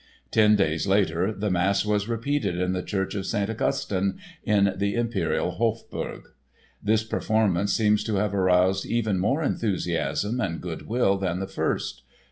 Ten days later the mass was repeated in the Church of St. Augustine, in the imperial Hofburg. This performance seems to have aroused even more enthusiasm and good will than the first.